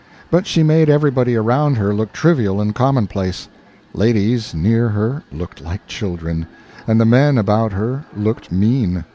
But she made everybody around her look trivial and commonplace. Ladies near her looked like children, and the men about her looked mean.